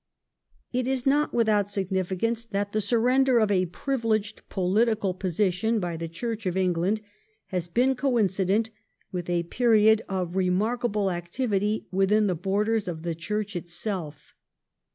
It is not without significance that the surrender of a privileged Religion political position by the Church of England has been coincident ^^^°" with a period of remarkable activity within the borders of the Church itself.